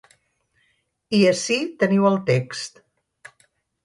I ací teniu el text.